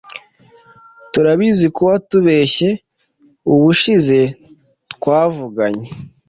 turabizi ko watubeshye ubushize twavuganye